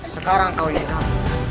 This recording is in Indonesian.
sekarang kau inginkan